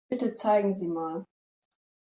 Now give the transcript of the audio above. Bitte, zeigen Sie mal.